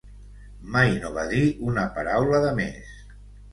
Mai no va dir una paraula de més.